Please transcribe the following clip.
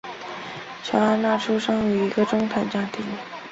琼安娜出生于一个中产家庭。